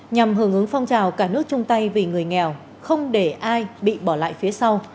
nhằm hưởng ứng phong trào cả nước chung tay vì người nghèo không để ai bị bỏ lại phía sau